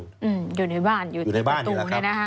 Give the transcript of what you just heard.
อยู่ในบ้านอยู่ในประตูเนี่ยนะคะ